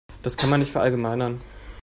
Das kann man nicht verallgemeinern.